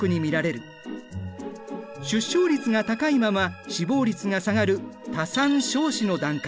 出生率が高いまま死亡率が下がる多産少死の段階。